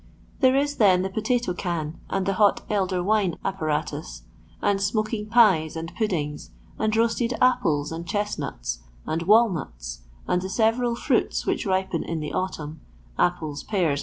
There is then the potato can and the hot elder wine appa ratus, and smoking pies and puddings, and roasted apples and chestnuts, and walnuts, and the several fruits which ripen in the autumn — apples, pears, &c.